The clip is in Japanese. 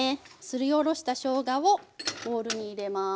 すりおろしたしょうがをボウルに入れます。